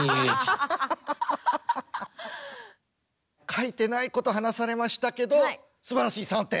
書いてないこと話されましたけどすばらしい３点！